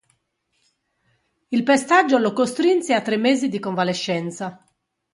Il pestaggio lo costrinse a tre mesi di convalescenza.